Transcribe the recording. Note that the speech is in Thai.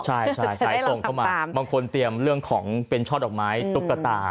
ใช่สายส่งเข้ามาบางคนเตรียมเรื่องของเป็นช่อดอกไม้ตุ๊กตา